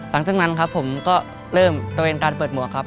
หลังจากนั้นครับผมก็เริ่มตะเวนการเปิดหมวกครับ